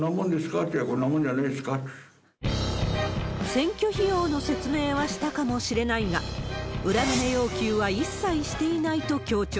って、選挙費用の説明はしたかもしれないが、裏金要求は一切していないと強調。